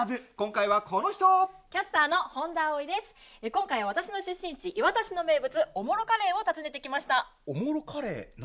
今回、私の出身地磐田市の名物、おもろカレーを訪ねてきました。